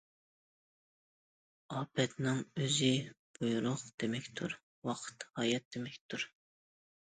ئاپەتنىڭ ئۆزى بۇيرۇق دېمەكتۇر، ۋاقىت ھايات دېمەكتۇر.